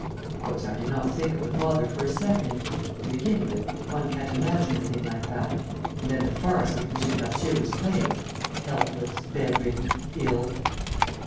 Of course, I did not think of the father for a second. To begin with, one can't imagine a thing like that; and then the farce which M. Darcieux was playing ... helpless, bedridden, ill...."